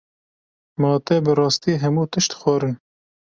Ma te bi rastî hemû tişt xwarin.